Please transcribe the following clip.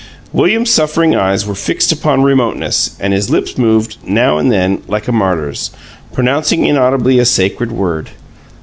William's suffering eyes were fixed upon remoteness; and his lips moved, now and then, like a martyr's, pronouncing inaudibly a sacred word.